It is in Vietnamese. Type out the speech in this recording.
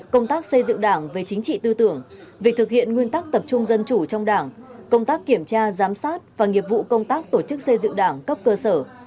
công tác xây dựng đảng về chính trị tư tưởng việc thực hiện nguyên tắc tập trung dân chủ trong đảng công tác kiểm tra giám sát và nghiệp vụ công tác tổ chức xây dựng đảng cấp cơ sở